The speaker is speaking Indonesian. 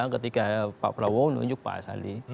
ketika pak prabowo menunjuk pak sandi